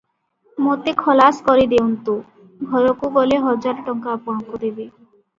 ମୋତେ ଖଲାସ କରିଦେଉନ୍ତୁ, ଘରକୁ ଗଲେ ହଜାର ଟଙ୍କା ଆପଣଙ୍କୁ ଦେବି ।"